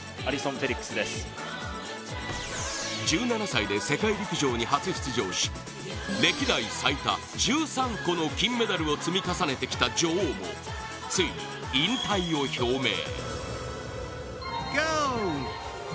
１７歳で世界陸上に初出場し歴代最多１３個の金メダルを積み重ねてきた女王もついに引退を表明。